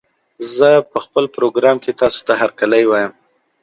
زه په خپل پروګرام کې تاسې ته هرکلی وايم